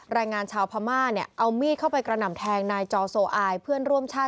แรงงานชาวพม่าเนี่ยเอามีดเข้าไปกระหน่ำแทงนายจอโซอายเพื่อนร่วมชาติ